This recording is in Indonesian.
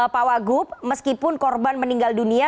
pak wagub meskipun korban meninggal dunia